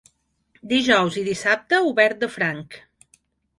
Dijous i dissabte, obert de franc.